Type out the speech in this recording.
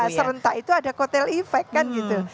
serentak itu ada kotel efek kan gitu